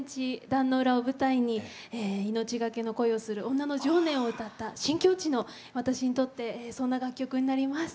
壇ノ浦を舞台に命懸けの恋をする女の情念を歌った新境地の私にとってそんな楽曲になります。